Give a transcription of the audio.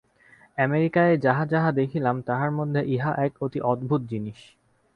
আমেরিকায় যাহা যাহা দেখিলাম, তাহার মধ্যে ইহা এক অতি অদ্ভুত জিনিষ।